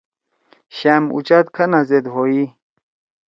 شأم اُچات کھنا زید ہوئی۔